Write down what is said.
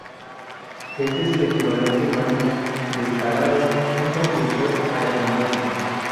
Este es el equivalente marino de "calado" un propulsor aeronáutico.